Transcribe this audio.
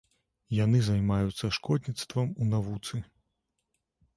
Яны займаюцца шкодніцтвам у навуцы.